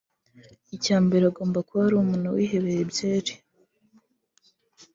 Icya mbere agomba kuba ari umuntu wihebeye byeri